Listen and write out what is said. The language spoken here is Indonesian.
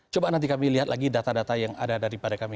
coba nanti kami lihat lagi data data yang ada daripada kami